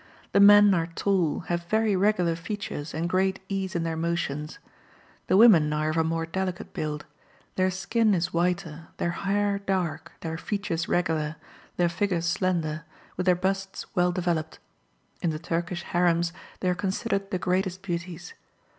The men are tall, have very regular features and great ease in their motions. The women are of a more delicate build; their skin is whiter, their hair dark, their features regular, their figures slender, with their busts well developed: in the Turkish harems they are considered the greatest beauties.